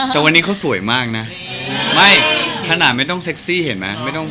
แต่วันนี้เขาสวยมากนะไม่ขนาดไม่ต้องเซ็กซี่เห็นไหม